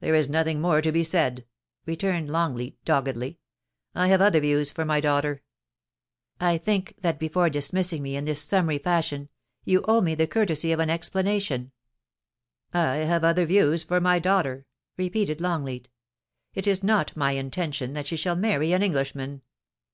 'There is nothing more to be said,* returned Longleat, doggedly ;* I have other views for my daughter.' *I think that before dismissing me in this summary fashion, you owe me the courtesy of an explanation' 252 POLICY AND PASSION. * I have other views for my daughter/ repeated Longleat * It is not my intention that she shall marry an Englishman.